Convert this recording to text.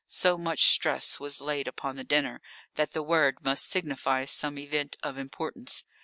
So much stress was laid upon the dinner, that the word must signify some event of importance.